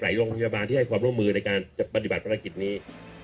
โรงพยาบาลที่ให้ความร่วมมือในการจะปฏิบัติภารกิจนี้